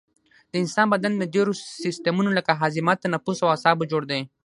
د انسان بدن له ډیرو سیستمونو لکه هاضمه تنفس او اعصابو جوړ دی